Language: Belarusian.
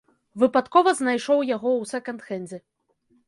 Выпадкова знайшоў яго ў сэканд-хэндзе.